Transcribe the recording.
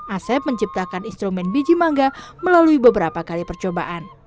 asep menciptakan instrumen biji mangga melalui beberapa kali percobaan